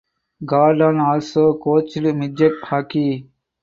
Gordon also coached midget hockey.